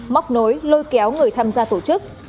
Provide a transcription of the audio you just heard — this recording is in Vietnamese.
móc nối lôi kéo người tham gia tổ chức